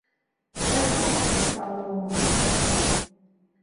Рәхмәт, иҫкә алыуыңа...